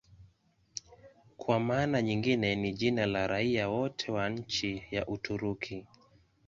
Kwa maana nyingine ni jina la raia wote wa nchi ya Uturuki.